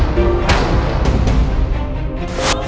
dewa temen aku